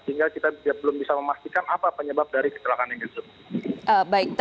sehingga kita belum bisa memastikan apa penyebab dari kecelakaan yang disebut